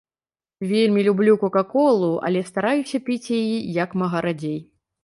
Вельмі люблю кока-колу, але стараюся піць яе як мага радзей.